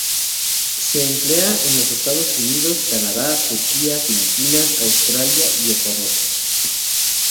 Se emplea en los Estados Unidos, Canadá, Turquía, Filipinas, Australia y Ecuador.